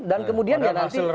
dan kemudian ya nanti